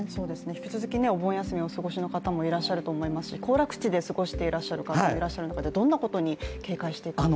引き続きお盆休みをお過ごしの方、いらっしゃるでしょうし行楽地で過ごしていらっしゃる方もいる中でどんなことに警戒した方が？